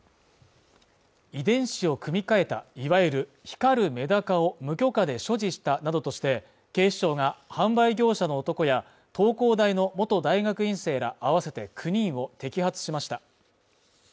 遺伝子を組み換えた、いわゆる光るメダカを無許可で所持したなどとして、警視庁が販売業者の男や東工大の元大学院生らあわせて９人を摘発しました。